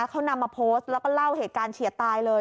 เขานำมาโพสต์แล้วก็เล่าเหตุการณ์เฉียดตายเลย